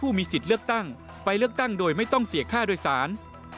มีสิทธิ์เลือกตั้งไปเลือกตั้งโดยไม่ต้องเสียค่าโดยสาร